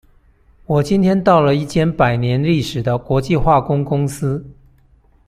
我今天到了一間百年歷史的國際化工公司